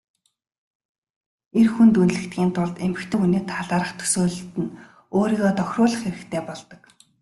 Эр хүнд үнэлэгдэхийн тулд эмэгтэй хүний талаарх төсөөлөлд нь өөрийгөө тохируулах хэрэгтэй болдог.